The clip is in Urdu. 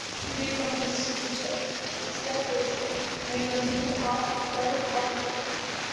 سپریم کورٹ نے جسٹس عیسی کیس میں منی لانڈرنگ کی دفعات پر وضاحت کردی